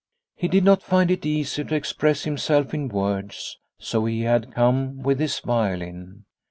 He did not find it easy to express himself in words, so he had come with his violin.